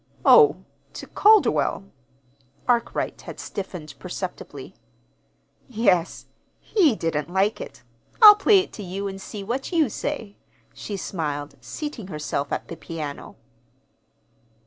"Oh, to Calderwell!" Arkwright had stiffened perceptibly. "Yes. He didn't like it. I'll play it to you and see what you say," she smiled, seating herself at the piano.